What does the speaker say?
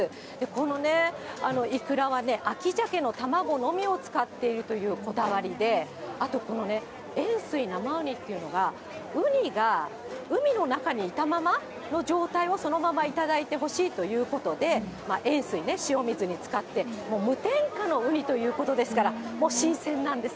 このね、いくらは秋ジャケの卵のみを使っているというこだわりで、あと、この塩水生うにっていうのが、ウニが海の中にいたままの状態はそのまま頂いてほしいということで、塩水ね、塩水に使って、無添加の海ということですから、新鮮なんです。